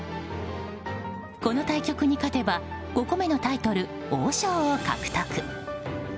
この対局に勝てば５個目のタイトル、王将を獲得。